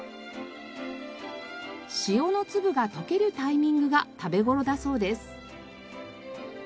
塩の粒が溶けるタイミングが食べ頃だそうです。